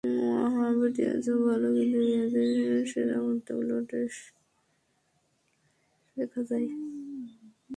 ওয়াহাব রিয়াজও ভালো, কিন্তু রিয়াজের সেরা মুহূর্তগুলো টেস্টেই বেশি দেখা যায়।